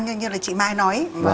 như là chị mai nói